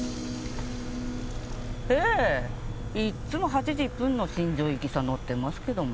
ええいっつも８時１分発の新庄行きさ乗ってますけども。